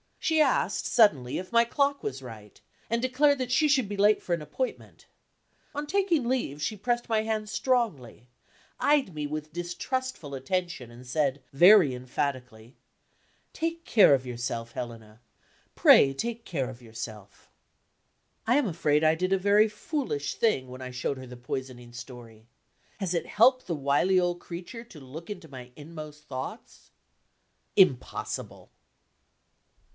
She asked suddenly if my clock was right and declared that she should be late for an appointment. On taking leave she pressed my hand strongly eyed me with distrustful attention and said, very emphatically: "Take care of yourself, Helena; pray take care of yourself." I am afraid I did a very foolish thing when I showed her the poisoning story. Has it helped the wily old creature to look into my inmost thoughts? Impossible!